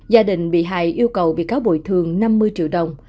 gia đình bị hại yêu cầu bị cáo bồi thường năm mươi triệu đồng